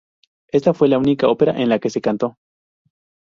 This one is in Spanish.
Esta fue la única ópera en la que cantó.